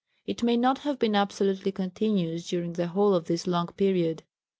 It may not have been absolutely continuous during the whole of this long period.